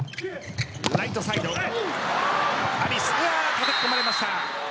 たたき込まれました。